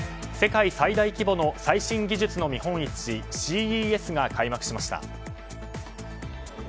世界最大規模の最新技術の見本市ＣＥＳが開幕しました。